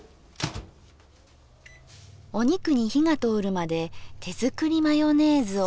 お肉に火が通るまで手作りマヨネーズを。